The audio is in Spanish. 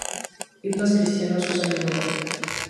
Himnos cristianos usan el nombre.